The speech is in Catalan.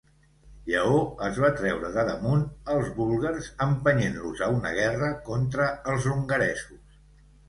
Lleó es va treure de damunt els búlgars empenyent-los a una guerra contra els hongaresos.